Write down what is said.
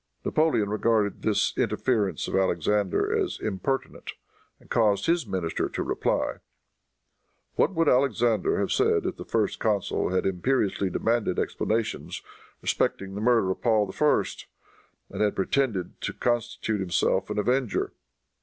Napoleon regarded this interference of Alexander as impertinent, and caused his minister to reply, "What would Alexander have said if the First Consul had imperiously demanded explanations respecting the murder of Paul I., and had pretended to constitute himself an avenger?